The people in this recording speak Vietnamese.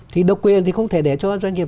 thì độc quyền thì không thể để cho doanh nghiệp